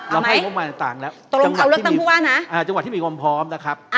เราให้งบมาต่างแล้วจังหวัดที่มีความพร้อมนะครับ